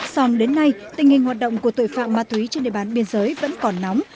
song đến nay tình hình hoạt động của tội phạm ma túy trên địa bàn biên giới vẫn còn nóng